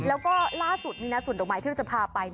แล้วก็ล่าสุดส่วนดอกไม้ที่เราจะพาไป